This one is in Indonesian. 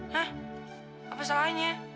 hah apa salahnya